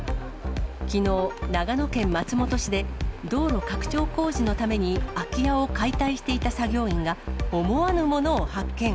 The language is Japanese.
きのう、長野県松本市で道路拡張工事のために空き家を解体していた作業員が、思わぬものを発見。